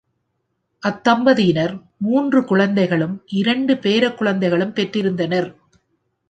அத்தம்பதியினர், மூன்று குழந்தைகளும் இரண்டு பேரக் குழந்தைகளும் பெற்றிருந்தனர்.